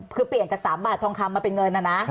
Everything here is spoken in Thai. คือเปลี่ยนจาก๓บาททองคำมาเป็นเงินนะนะ